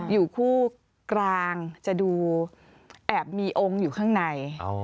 อยู่คู่กลางจะดูแอบมีองค์อยู่ข้างใน